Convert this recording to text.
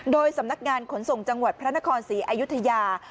โดยสำนักงานขนส่งจังหวัดพระนครศรีอายุทยา